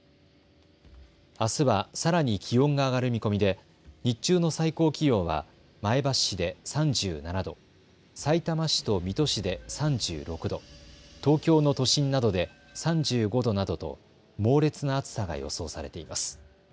あすはさらに気温が上がる見込みで日中の最高気温は前橋市で３７度、さいたま市と水戸市で３６度、東京の都心などで３５度などと猛烈な暑さが予想されています。